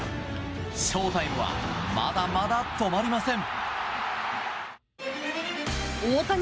ショウタイムはまだまだ止まりません。